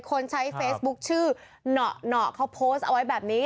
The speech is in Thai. คนใช้เฟซบุ๊คชื่อเหนาะเขาโพสต์เอาไว้แบบนี้